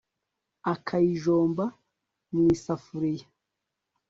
akayijomba mu isafuriya